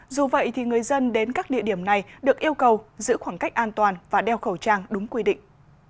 dù vậy thì người dân đến các địa điểm này được yêu cầu giữ khoảng cách an toàn và đeo khẩu trang đúng quy định